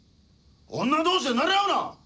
女同士でなれ合うな！